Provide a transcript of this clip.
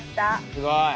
すごい！